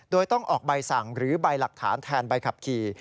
โดยต้องออกใบสั่งหรือใบหลักฐานแทนใบขับขี่